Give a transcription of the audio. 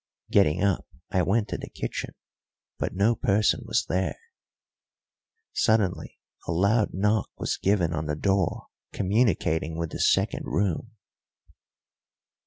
Getting up, I went to the kitchen, but no person was there. Suddenly a loud knock was given on the door communicating with the second room.